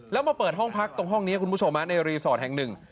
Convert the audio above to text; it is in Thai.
แล้วมาเปิดห้องพักตรงห้องนี้คุณผู้ชมในรีสอร์ทแห่งหนึ่ง